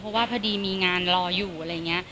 เพราะว่าพอดีมีงานรออยู่อะไรอย่างนี้